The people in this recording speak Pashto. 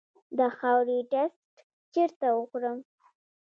د خاورې ټسټ چیرته وکړم؟